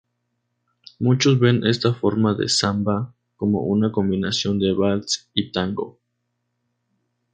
Muchos ven esta forma de samba como una combinación de vals y tango.